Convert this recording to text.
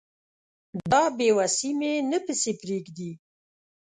دا بې وسي مي نه پسې پرېږدي